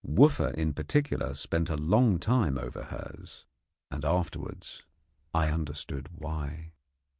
Wooffa in particular spent a long time over hers; and afterwards I understood why.